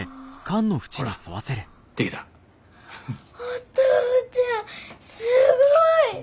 お父ちゃんすごい！